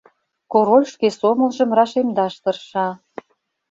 — Король шке сомылжым рашемдаш тырша.